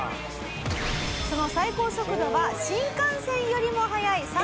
その最高速度は新幹線よりも速い３７０キロ。